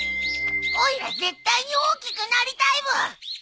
おいら絶対に大きくなりたいブー！